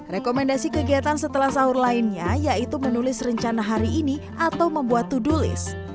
rekomendasi kegiatan setelah sahur lainnya yaitu menulis rencana hari ini atau membuat tudulis